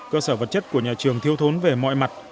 cơ sở vật chất của nhà trường thiếu thốn về mọi mặt